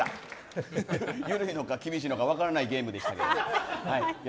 緩いのか厳しいのか分からないゲームでしたけど。